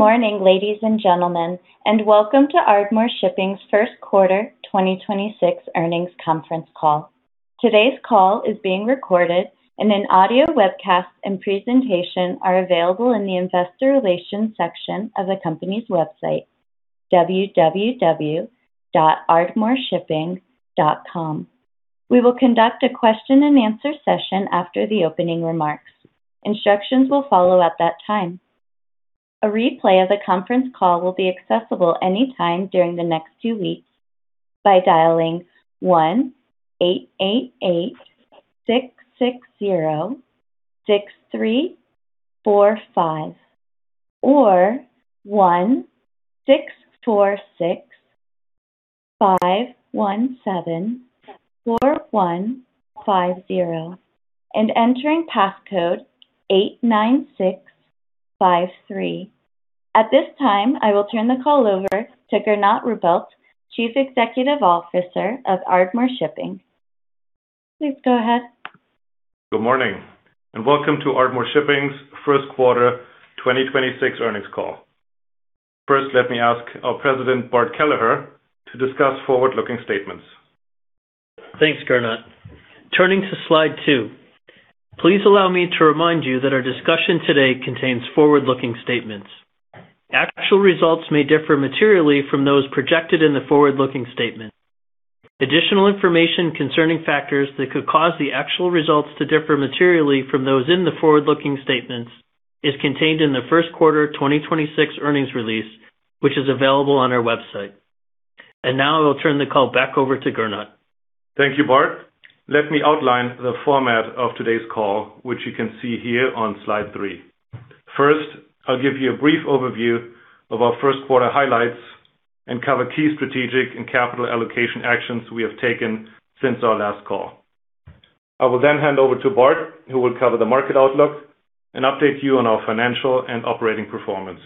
Good morning, ladies and gentlemen, and welcome to Ardmore Shipping's first quarter 2026 earnings conference call. Today's call is being recorded, and an audio webcast and presentation are available in the investor relations section of the company's website, www.ardmoreshipping.com. We will conduct a question and answer session after the opening remarks. Instructions will follow at that time. A replay of the conference call will be accessible any time during the next two weeks by dialing 1-888-660-6345 or 1-646-517-4150 and entering passcode 89653. At this time, I will turn the call over to Gernot Ruppelt, Chief Executive Officer of Ardmore Shipping. Please go ahead. Good morning. Welcome to Ardmore Shipping's first quarter 2026 earnings call. First, let me ask our President, Bart Kelleher, to discuss forward-looking statements. Thanks, Gernot. Turning to slide two. Please allow me to remind you that our discussion today contains forward-looking statements. Actual results may differ materially from those projected in the forward-looking statement. Additional information concerning factors that could cause the actual results to differ materially from those in the forward-looking statements is contained in the first quarter 2026 earnings release, which is available on our website. Now I will turn the call back over to Gernot. Thank you, Bart. Let me outline the format of today's call, which you can see here on slide three. First, I'll give you a brief overview of our first quarter highlights and cover key strategic and capital allocation actions we have taken since our last call. I will then hand over to Bart, who will cover the market outlook and update you on our financial and operating performance.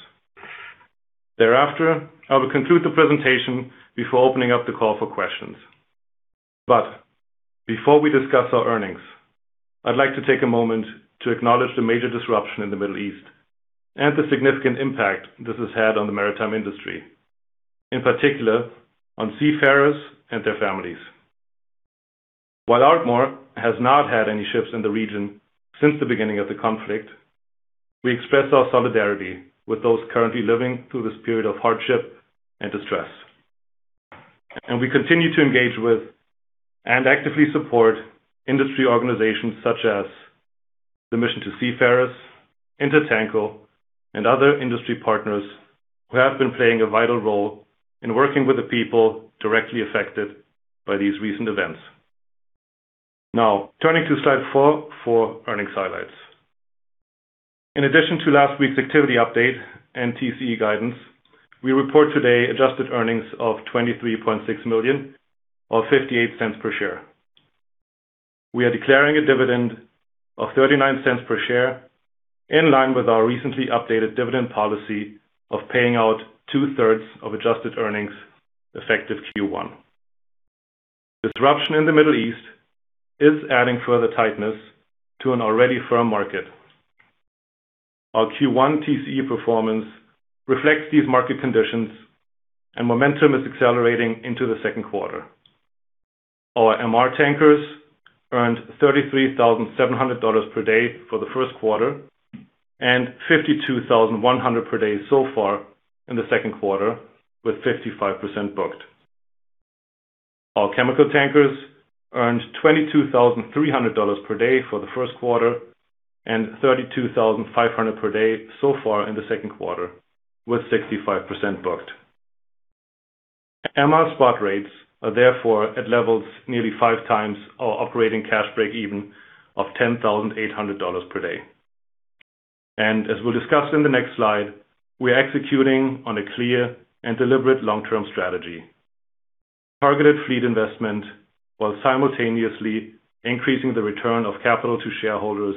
Thereafter, I will conclude the presentation before opening up the call for questions. But before we discuss our earnings, I'd like to take a moment to acknowledge the major disruption in the Middle East and the significant impact this has had on the maritime industry, in particular on seafarers and their families. While Ardmore has not had any ships in the region since the beginning of the conflict, we express our solidarity with those currently living through this period of hardship and distress. And we continue to engage with and actively support industry organizations such as The Mission to Seafarers, INTERTANKO, and other industry partners who have been playing a vital role in working with the people directly affected by these recent events. Now turning to slide four for earnings highlights. In addition to last week's activity update and TCE guidance, we report today adjusted earnings of $23.6 million or $0.58 per share. We are declaring a dividend of $0.39 per share, in line with our recently updated dividend policy of paying out 2/3 of adjusted earnings effective Q1. Disruption in the Middle East is adding further tightness to an already firm market. Our Q1 TCE performance reflects these market conditions, and momentum is accelerating into the second quarter. Our MR tankers earned $33,700 per day for the first quarter and $52,100 per day so far in the second quarter, with 55% booked. Our chemical tankers earned $22,300 per day for the first quarter and $32,500 per day so far in the second quarter, with 65% booked. MR spot rates are therefore at levels nearly 5x our operating cash breakeven of $10,800 per day. As we'll discuss in the next slide, we are executing on a clear and deliberate long-term strategy: targeted fleet investment while simultaneously increasing the return of capital to shareholders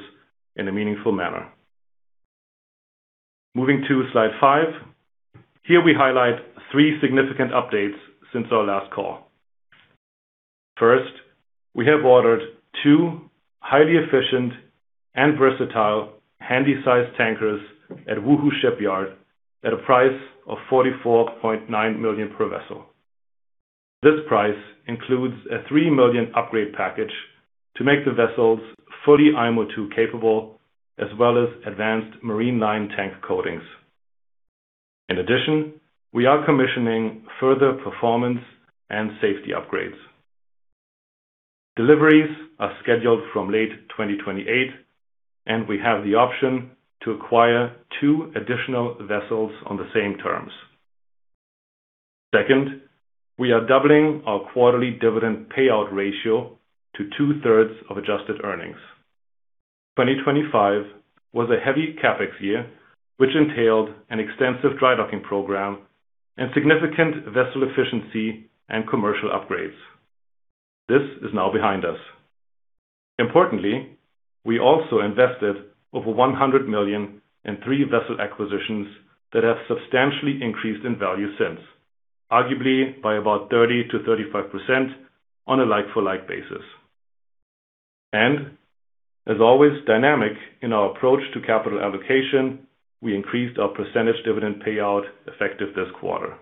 in a meaningful manner. Moving to slide five. Here we highlight three significant updates since our last call. First, we have ordered two highly efficient and versatile handysize tankers at Wuhu Shipyard at a price of $44.9 million per vessel. This price includes a $3 million upgrade package to make the vessels fully IMO2 capable, as well as advanced MarineLine tank coatings. In addition, we are commissioning further performance and safety upgrades. Deliveries are scheduled from late 2028, and we have the option to acquire two additional vessels on the same terms. Second, we are doubling our quarterly dividend payout ratio to 2/3 of adjusted earnings. 2025 was a heavy CapEx year, which entailed an extensive dry-docking program and significant vessel efficiency and commercial upgrades. This is now behind us. Importantly, we also invested over $100 million in three vessel acquisitions that have substantially increased in value since, arguably by about 30%-35% on a like-for-like basis. As always dynamic in our approach to capital allocation, we increased our percentage dividend payout effective this quarter.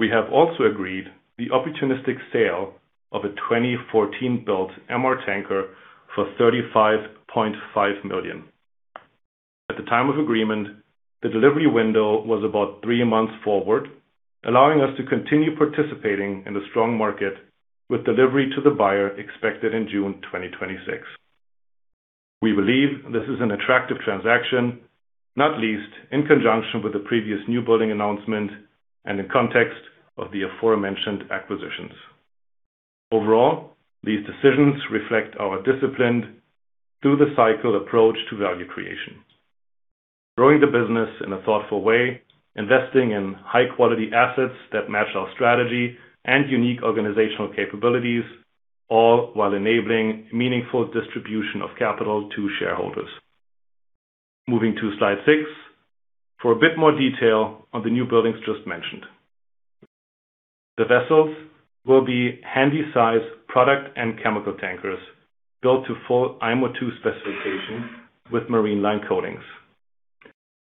We have also agreed the opportunistic sale of a 2014 built MR tanker for $35.5 million. At the time of agreement, the delivery window was about three months forward, allowing us to continue participating in the strong market with delivery to the buyer expected in June 2026. We believe this is an attractive transaction, not least in conjunction with the previous new building announcement and in context of the aforementioned acquisitions. Overall, these decisions reflect our disciplined through the cycle approach to value creation. Growing the business in a thoughtful way, investing in high-quality assets that match our strategy and unique organizational capabilities, all while enabling meaningful distribution of capital to shareholders. Moving to slide six for a bit more detail on the new buildings just mentioned. The vessels will be handysize product and chemical tankers built to full IMO2 specifications with MarineLine coatings.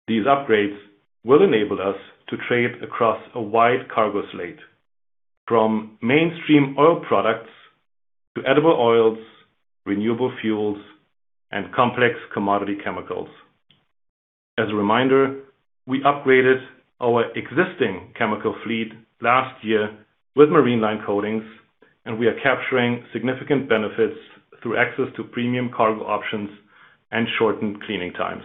These upgrades will enable us to trade across a wide cargo slate from mainstream oil products to edible oils, renewable fuels, and complex commodity chemicals. As a reminder, we upgraded our existing chemical fleet last year with MarineLine coatings, and we are capturing significant benefits through access to premium cargo options and shortened cleaning times.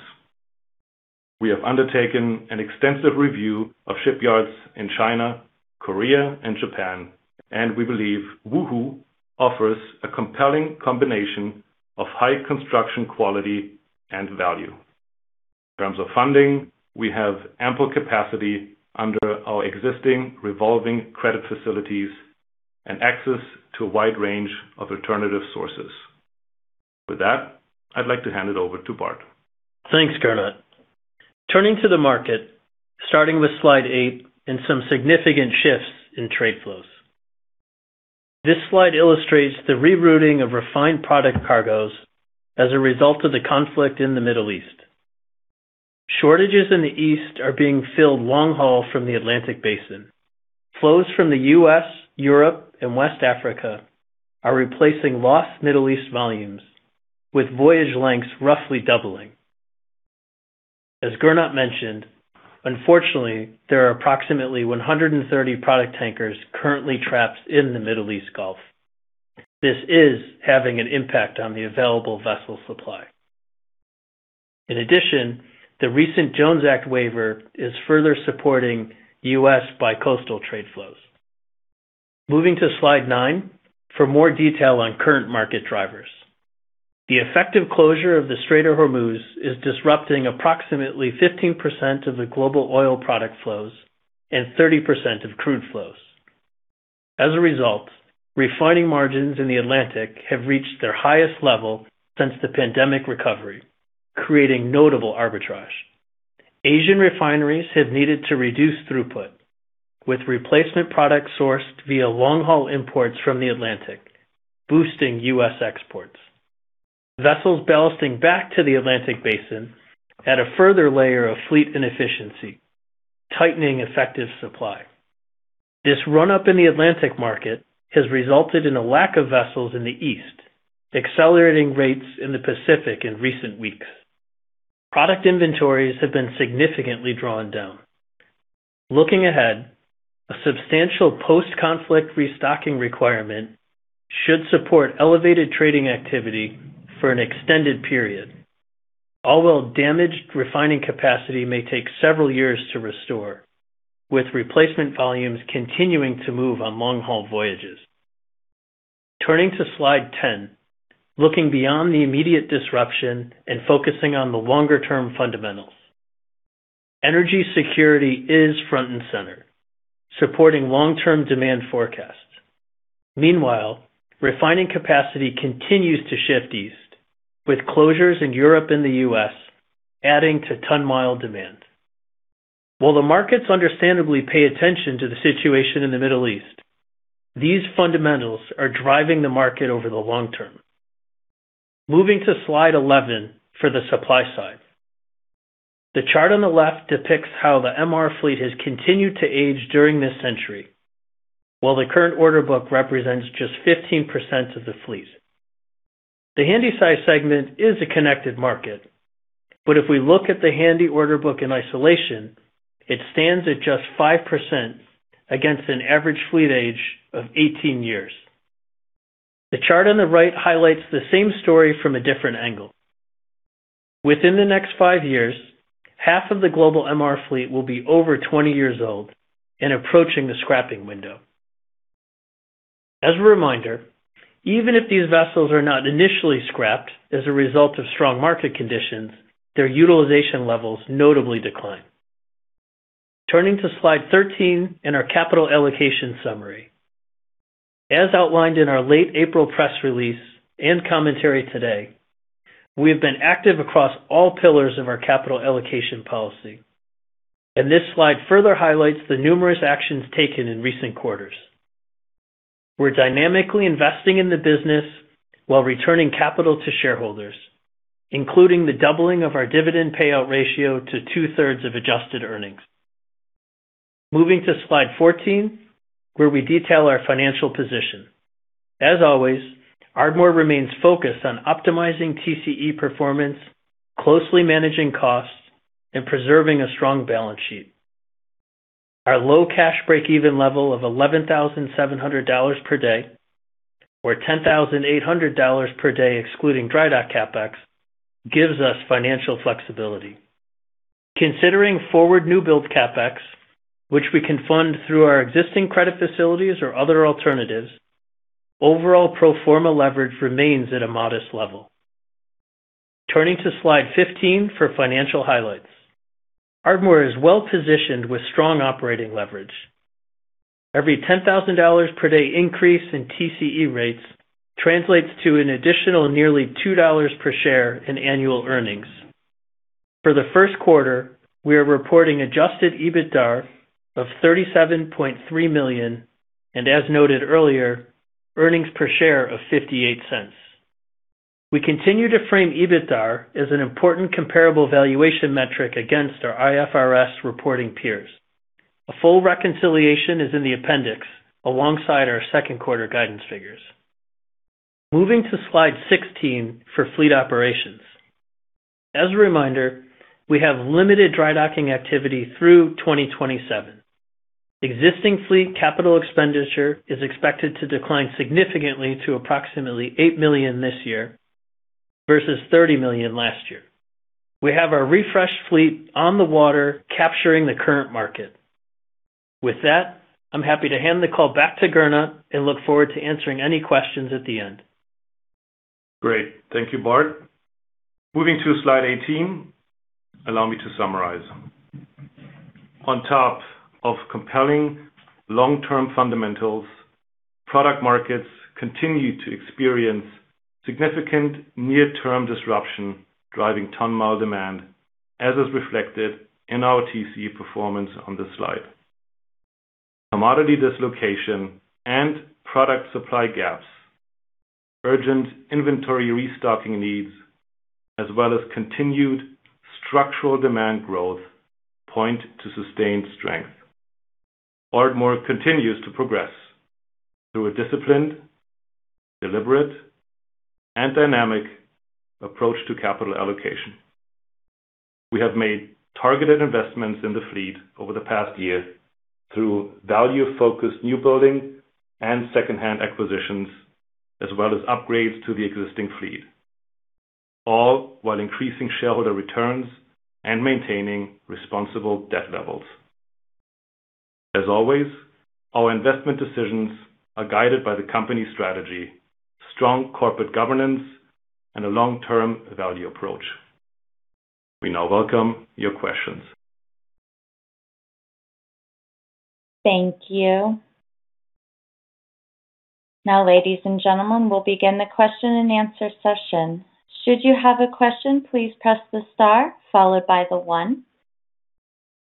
We have undertaken an extensive review of shipyards in China, Korea, and Japan. And we believe Wuhu offers a compelling combination of high construction quality and value. In terms of funding, we have ample capacity under our existing revolving credit facilities and access to a wide range of alternative sources. With that, I'd like to hand it over to Bart. Thanks, Gernot. Turning to the market, starting with slide eight and some significant shifts in trade flows. This slide illustrates the rerouting of refined product cargos as a result of the conflict in the Middle East. Shortages in the East are being filled long haul from the Atlantic Basin. Flows from the U.S., Europe, and West Africa are replacing lost Middle East volumes, with voyage lengths roughly doubling. As Gernot mentioned, unfortunately, there are approximately 130 product tankers currently trapped in the Middle East Gulf. This is having an impact on the available vessel supply. In addition, the recent Jones Act waiver is further supporting U.S. bi-coastal trade flows. Moving to slide nine for more detail on current market drivers. The effective closure of the Strait of Hormuz is disrupting approximately 15% of the global oil product flows and 30% of crude flows. As a result, refining margins in the Atlantic have reached their highest level since the pandemic recovery, creating notable arbitrage. Asian refineries have needed to reduce throughput, with replacement products sourced via long-haul imports from the Atlantic, boosting U.S. exports. Vessels ballasting back to the Atlantic Basin add a further layer of fleet inefficiency, tightening effective supply. This run-up in the Atlantic market has resulted in a lack of vessels in the East, accelerating rates in the Pacific in recent weeks. Product inventories have been significantly drawn down. Looking ahead, a substantial post-conflict restocking requirement should support elevated trading activity for an extended period, all while damaged refining capacity may take several years to restore, with replacement volumes continuing to move on long-haul voyages. Turning to slide 10, looking beyond the immediate disruption and focusing on the longer-term fundamentals. Energy security is front and center, supporting long-term demand forecasts. Meanwhile, refining capacity continues to shift East, with closures in Europe and the U.S. adding to ton-mile demand. While the markets understandably pay attention to the situation in the Middle East, these fundamentals are driving the market over the long term. Moving to slide 11 for the supply side. The chart on the left depicts how the MR fleet has continued to age during this century, while the current orderbook represents just 15% of the fleet. The handysize segment is a connected market, but if we look at the handysize orderbook in isolation, it stands at just 5% against an average fleet age of 18 years. The chart on the right highlights the same story from a different angle. Within the next five years, half of the global MR fleet will be over 20-years-old and approaching the scrapping window. As a reminder, even if these vessels are not initially scrapped as a result of strong market conditions, their utilization levels notably decline. Turning to slide 13 and our capital allocation summary. As outlined in our late April press release and commentary today, we have been active across all pillars of our capital allocation policy. This slide further highlights the numerous actions taken in recent quarters. We're dynamically investing in the business while returning capital to shareholders, including the doubling of our dividend payout ratio to 2/3 of adjusted earnings. Moving to slide 14, where we detail our financial position. As always, Ardmore remains focused on optimizing TCE performance, closely managing costs, and preserving a strong balance sheet. Our low cash breakeven level of $11,700 per day, or $10,800 per day excluding drydock CapEx, gives us financial flexibility. Considering forward new build CapEx, which we can fund through our existing credit facilities or other alternatives, overall pro forma leverage remains at a modest level. Turning to slide 15 for financial highlights. Ardmore is well-positioned with strong operating leverage. Every $10,000 per day increase in TCE rates translates to an additional nearly $2 per share in annual earnings. For the first quarter, we are reporting adjusted EBITDA of $37.3 million and as noted earlier, earnings per share of $0.58. We continue to frame EBITDA as an important comparable valuation metric against our IFRS reporting peers. A full reconciliation is in the appendix alongside our second quarter guidance figures. Moving to slide 16 for fleet operations. As a reminder, we have limited dry-docking activity through 2027. Existing fleet CapEx is expected to decline significantly to approximately $8 million this year versus $30 million last year. We have our refreshed fleet on the water capturing the current market. With that, I'm happy to hand the call back to Gernot and look forward to answering any questions at the end. Great. Thank you, Bart. Moving to slide 18, allow me to summarize. On top of compelling long-term fundamentals, product markets continue to experience significant near-term disruption, driving ton-mile demand, as is reflected in our TCE performance on this slide. Commodity dislocation and product supply gaps, urgent inventory restocking needs, as well as continued structural demand growth point to sustained strength. Ardmore continues to progress through a disciplined, deliberate, and dynamic approach to capital allocation. We have made targeted investments in the fleet over the past year through value-focused new building and secondhand acquisitions, as well as upgrades to the existing fleet, all while increasing shareholder returns and maintaining responsible debt levels. As always, our investment decisions are guided by the company strategy, strong corporate governance, and a long-term value approach. We now welcome your questions. Thank you. Now, ladies and gentlemen, we'll begin the question and answer session. Should you have a question, please press the star followed by the one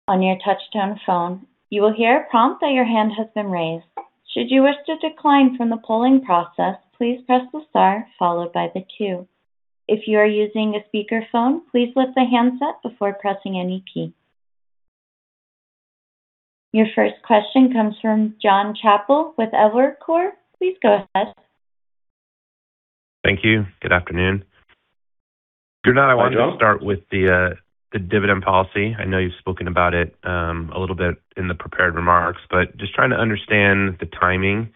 on your touch tone phone. You will hear a prompt that your hand has been raised. Should you wish to decline from the polling process, please press the star followed by the two. If you are using a speakerphone, please lift the handset before pressing any key. Your first question comes from Jon Chappell with Evercore. Please go ahead. Thank you. Good afternoon. Hi, Jon. Gernot, I wanted to start with the dividend policy. I know you've spoken about it a little bit in the prepared remarks, but just trying to understand the timing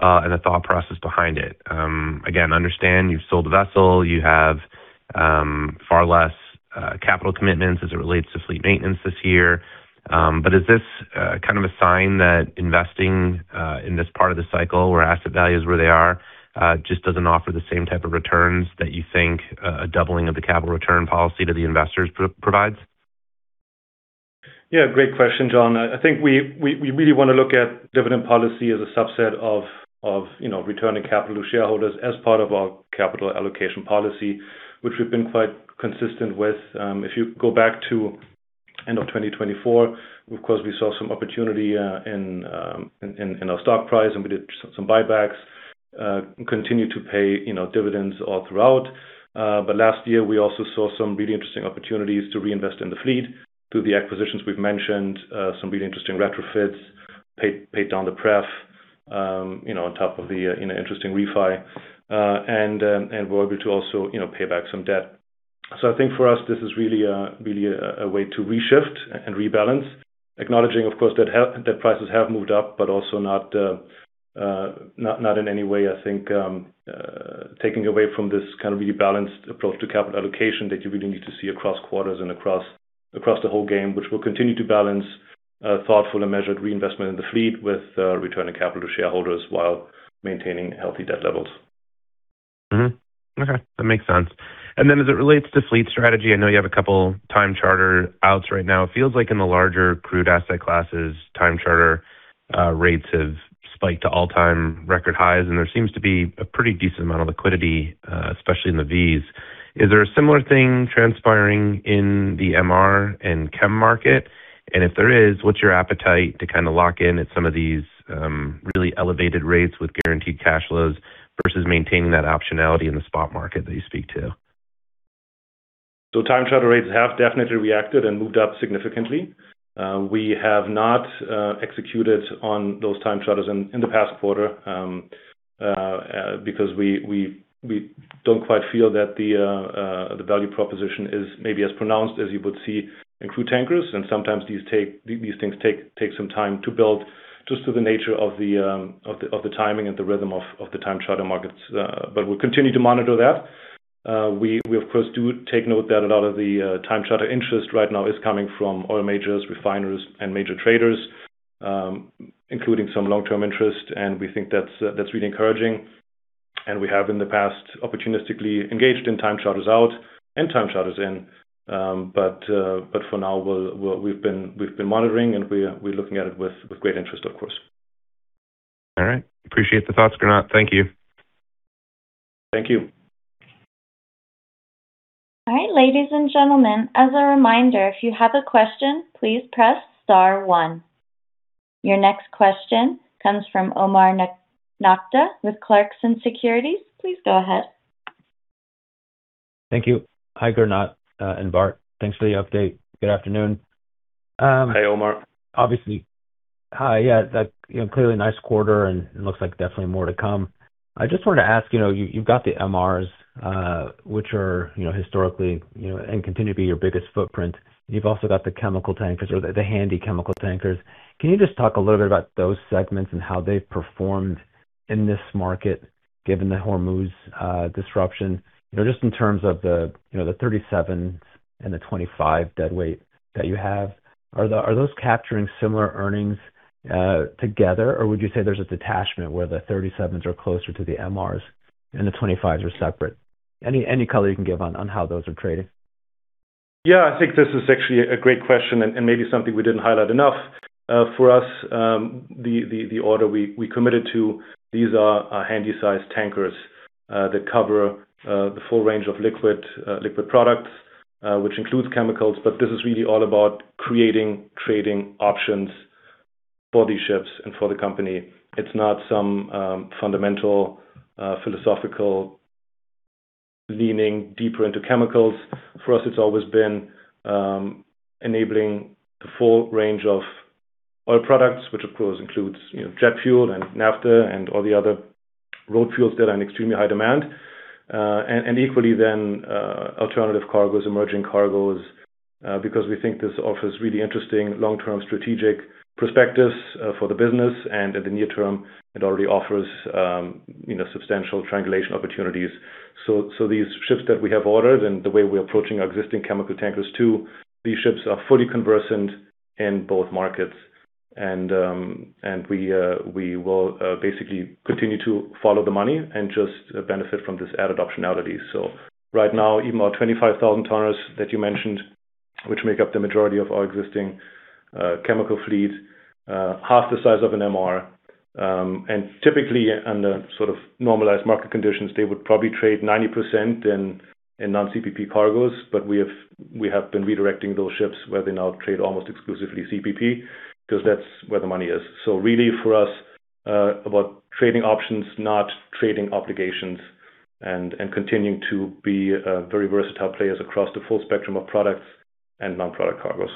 and the thought process behind it. Again, understand you've sold the vessel, you have far less capital commitments as it relates to fleet maintenance this year. Is this kind of a sign that investing in this part of the cycle where asset value is where they are, just doesn't offer the same type of returns that you think a doubling of the capital return policy to the investors provides? Yeah, great question, Jon. I think we really wanna look at dividend policy as a subset of, you know, returning capital to shareholders as part of our capital allocation policy, which we've been quite consistent with. If you go back to end of 2024, of course, we saw some opportunity in our stock price, and we did some buybacks, continued to pay, you know, dividends all throughout. But last year, we also saw some really interesting opportunities to reinvest in the fleet through the acquisitions we've mentioned, some really interesting retrofits, paid down the pref, you know, on top of the, you know, interesting refi, and were able to also, you know, pay back some debt. I think for us, this is really a way to reshift and rebalance. Acknowledging, of course, that prices have moved up, but also not in any way, I think, taking away from this kind of rebalanced approach to capital allocation that you really need to see across quarters and across the whole game, which we'll continue to balance a thoughtful and measured reinvestment in the fleet with returning capital to shareholders while maintaining healthy debt levels. Mm-hmm. Okay, that makes sense. As it relates to fleet strategy, I know you have two time charter outs right now. It feels like in the larger crude asset classes, time charter rates have spiked to all-time record highs, and there seems to be a pretty decent amount of liquidity, especially in the Vs. Is there a similar thing transpiring in the MR and chem market? If there is, what's your appetite to kinda lock in at some of these really elevated rates with guaranteed cash flows versus maintaining that optionality in the spot market that you speak to? Time charter rates have definitely reacted and moved up significantly. We have not executed on those time charters in the past quarter because we don't quite feel that the value proposition is maybe as pronounced as you would see in crude tankers. Sometimes these things take some time to build just through the nature of the timing and the rhythm of the time charter markets. We'll continue to monitor that. We of course do take note that a lot of the time charter interest right now is coming from oil majors, refiners, and major traders, including some long-term interest, and we think that's really encouraging. We have in the past opportunistically engaged in time charters out and time charters in. For now we've been monitoring, and we're looking at it with great interest, of course. All right. Appreciate the thoughts, Gernot. Thank you. Thank you. All right, ladies and gentlemen, as a reminder, if you have a question, please press star one. Your next question comes from Omar Nokta with Clarksons Securities. Please go ahead. Thank you. Hi, Gernot, and Bart. Thanks for the update. Good afternoon. Hey, Omar. Hi. That, you know, clearly nice quarter and looks like definitely more to come. I just wanted to ask, you know, you've got the MRs, which are, you know, historically, you know, and continue to be your biggest footprint. You've also got the chemical tankers or the handysize chemical tankers. Can you just talk a little bit about those segments and how they've performed in this market given the Hormuz disruption? You know, just in terms of the, you know, the 37,000s and the 25,000s deadweight that you have. Are those capturing similar earnings together, or would you say there's a detachment where the 37,000s are closer to the MRs and the 25,000s are separate? Any color you can give on how those are trading. Yeah. I think this is actually a great question and maybe something we didn't highlight enough. For us, the order we committed to, these are handysize tankers that cover the full range of liquid products, which includes chemicals, but this is really all about creating trading options for these ships and for the company. It's not some fundamental philosophical leaning deeper into chemicals. For us, it's always been enabling the full range of oil products, which of course includes, you know, jet fuel and naphtha and all the other road fuels that are in extremely high demand. Equally then, alternative cargoes, emerging cargoes, because we think this offers really interesting long-term strategic perspectives for the business. In the near term it already offers, you know, substantial triangulation opportunities. These ships that we have ordered and the way we're approaching our existing chemical tankers too, these ships are fully conversant in both markets. We will basically continue to follow the money and just benefit from this added optionality. Right now, even our 25,000 tonners that you mentioned, which make up the majority of our existing chemical fleet, half the size of an MR. Typically under sort of normalized market conditions, they would probably trade 90% in non-CPP cargoes, but we have been redirecting those ships where they now trade almost exclusively CPP because that's where the money is. Really for us, about trading options, not trading obligations and continuing to be, very versatile players across the full spectrum of products and non-product cargoes.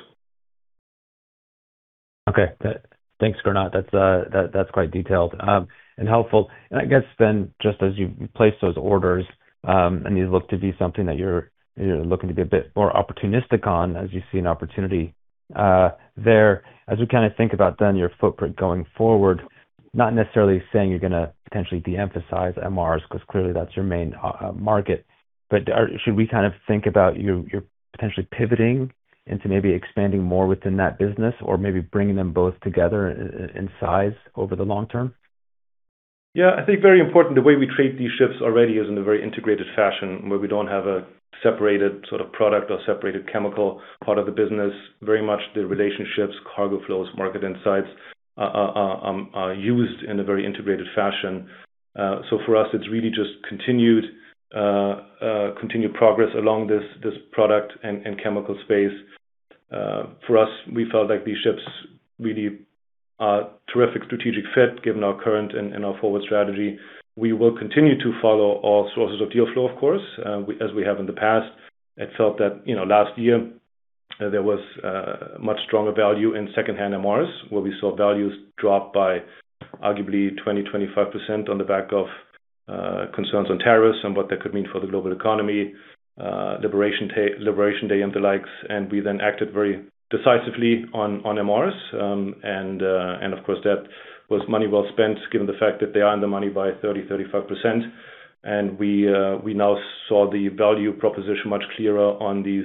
Okay. Thanks, Gernot. That's quite detailed and helpful. I guess then, just as you place those orders, and these look to be something that you're looking to be a bit more opportunistic on as you see an opportunity there. As we kinda think about then your footprint going forward, not necessarily saying you're gonna potentially de-emphasize MRs, because clearly that's your main market, should we kind of think about you potentially pivoting into maybe expanding more within that business or maybe bringing them both together in size over the long term? Yeah. I think very important, the way we treat these ships already is in a very integrated fashion, where we don't have a separated sort of product or separated chemical part of the business. Very much the relationships, cargo flows, market insights are used in a very integrated fashion. For us, it's really just continued progress along this product and chemical space. For us, we felt like these ships really are terrific strategic fit given our current and our forward strategy. We will continue to follow all sources of deal flow, of course, as we have in the past. It felt that, you know, last year, there was much stronger value in secondhand MRs, where we saw values drop by arguably 20%-25% on the back of concerns on tariffs and what that could mean for the global economy, Liberation Day and the likes. We then acted very decisively on MRs. Of course, that was money well spent, given the fact that they are in the money by 30%-35%. We now saw the value proposition much clearer on these,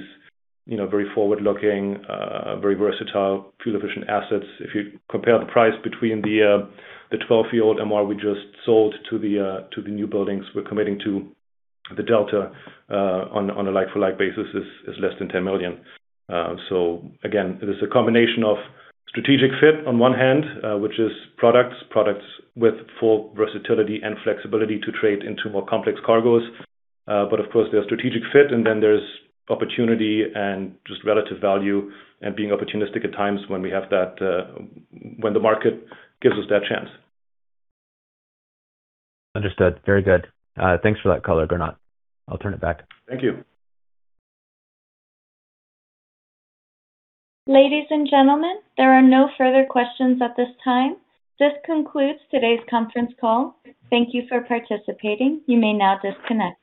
you know, very forward-looking, very versatile, fuel-efficient assets. If you compare the price between the 12-year-old MR we just sold to the new buildings we're committing to, the delta on a like-for-like basis is less than $10 million. Again, it is a combination of strategic fit on one hand, which is products with full versatility and flexibility to trade into more complex cargoes. Of course, there's strategic fit and then there's opportunity and just relative value and being opportunistic at times when we have that, when the market gives us that chance. Understood. Very good. Thanks for that color, Gernot. I'll turn it back. Thank you. Ladies and gentlemen, there are no further questions at this time. This concludes today's conference call. Thank you for participating. You may now disconnect.